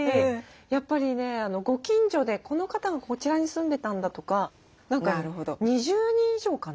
やっぱりねご近所でこの方がこちらに住んでたんだとか２０人以上かな。